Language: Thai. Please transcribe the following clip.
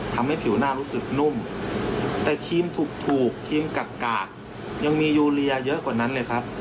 ทำให้ผิวหน้ารู้สึกนุ่มแต่ทีมถูกทีมกักยังมียูเรียเยอะกว่านั้นเลยครับ